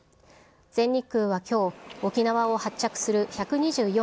全日空はきょう、沖縄を発着する１２４